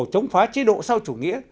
chống phá chế độ sau chủ nghĩa